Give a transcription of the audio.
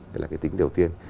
đây là cái tính đầu tiên